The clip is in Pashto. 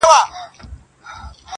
ډېر هوښیار وو ډېري ښې لوبي یې کړلې-